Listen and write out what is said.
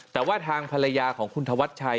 แต่ว่าทางภรรยาของคุณธวัชชัย